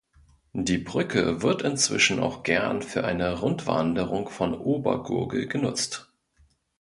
Die Brücke wird inzwischen auch gern für eine Rundwanderung von Obergurgl genutzt.